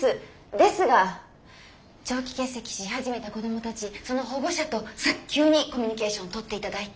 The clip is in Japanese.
ですが長期欠席し始めた子供たちその保護者と早急にコミュニケーション取っていただいて。